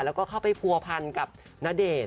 แล้วก็เข้าไปภูพันธุ์กับณเดชน์